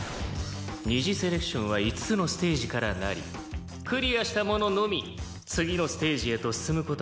二次セレクションは５つのステージからなりクリアした者のみ次のステージへと進む事ができる。